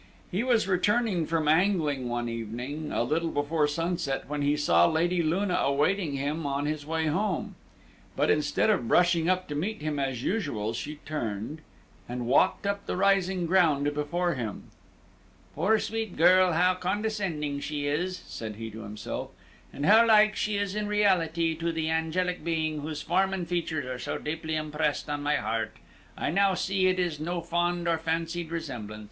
He was returning from angling one evening, a little before sunset, when he saw Lady Luna awaiting him on his way home. But instead of brushing up to meet him as usual, she turned, and walked up the rising ground before him. "Poor sweet girl! how condescending she is," said he to himself, "and how like she is in reality to the angelic being whose form and features are so deeply impressed on my heart! I now see it is no fond or fancied resemblance.